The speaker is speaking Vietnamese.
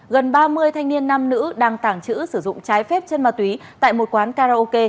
gần ba mươi thanh niên nam nữ đang tàng trữ sử dụng trái phép chân ma túy tại một quán karaoke